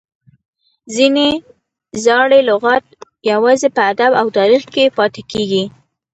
ځینې زاړي لغات یوازي په ادب او تاریخ کښي پاته کیږي.